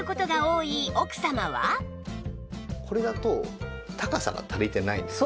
これだと高さが足りてないですね。